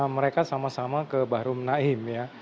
mereka sama sama ke bahrum naim ya